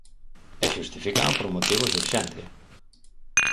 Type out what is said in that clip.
E xustifícano por motivos de urxencia.